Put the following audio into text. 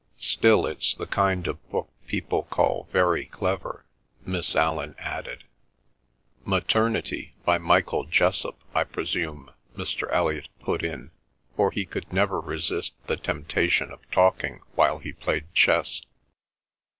"Still, it's the kind of book people call very clever," Miss Allan added. "Maternity—by Michael Jessop—I presume," Mr. Elliot put in, for he could never resist the temptation of talking while he played chess.